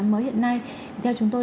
mới hiện nay theo chúng tôi